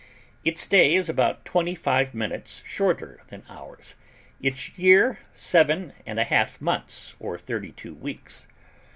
Its day is about twenty five minutes shorter than ours; its year seven and a half months or thirty two weeks.